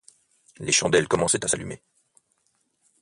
Les chandelles commençaient à s'allumer.